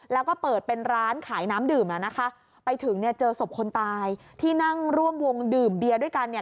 แล้วก็เปิดเป็นร้านขายน้ำดื่มอ่ะนะคะไปถึงเนี่ยเจอศพคนตายที่นั่งร่วมวงดื่มเบียร์ด้วยกันเนี่ย